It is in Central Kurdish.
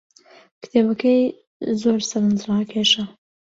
کتێبەکەی زۆر سەرنجڕاکێشە.